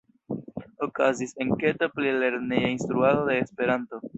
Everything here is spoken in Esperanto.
Okazis enketo pri la lerneja instruado de Esperanto.